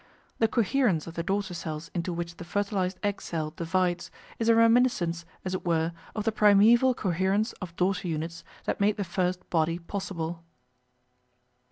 The coherence of the daughter cells into which the fertilised egg cell divides is a reminiscence, as it were, of the primeval coherence of daughter units that made the first body possible.